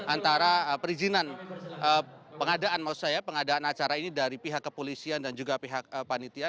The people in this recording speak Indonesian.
antara perizinan pengadaan maksud saya pengadaan acara ini dari pihak kepolisian dan juga pihak panitia